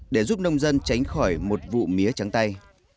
để giúp nông dân tránh khỏi một vụ mía trắng tay